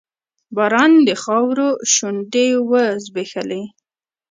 باران د خاورو شونډې وځبیښلې